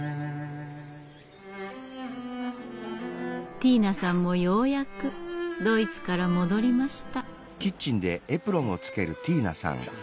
ティーナさんもようやくドイツから戻りました。